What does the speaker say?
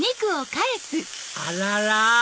あらら！